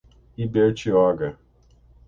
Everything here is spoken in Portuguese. Ibertioga